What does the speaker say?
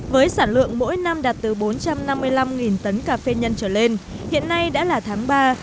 với sản lượng mỗi năm đạt từ bốn trăm năm mươi năm tấn cà phê nhân trở lên hiện nay đã là tháng ba